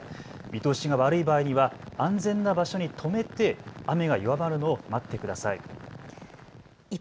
見通しが悪い場合には安全な場所に止めて雨が弱まるのを待ってください。